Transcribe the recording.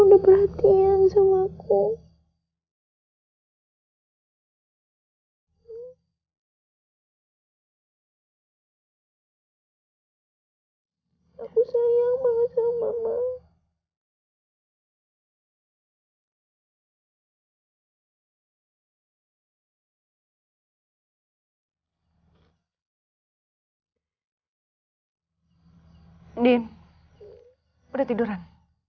din udah tiduran